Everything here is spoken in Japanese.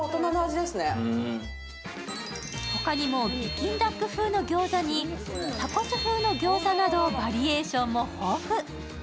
他にも北京ダック風のギョーザにタコス風のギョーザなどバリエーションも豊富。